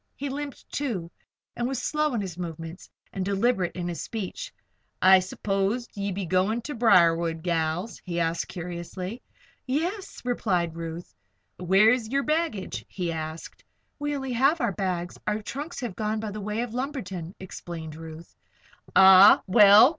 He limped, too, and was slow in his movements and deliberate in his speech. "I s'pose ye be goin' ter Briarwood, gals?" he added, curiously. "Yes," replied Ruth. "Where's yer baggage?" he asked. "We only have our bags. Our trunks have gone by the way of Lumberton," explained Ruth. "Ah! Well!